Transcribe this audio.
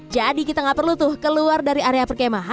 jadi kita gak perlu tuh keluar dari area perkema